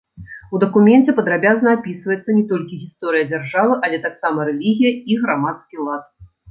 У дакуменце падрабязна апісваецца не толькі гісторыя дзяржавы, але таксама рэлігія і грамадскі лад.